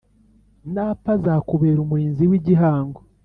Napfa azakubera umurinzi w’igihango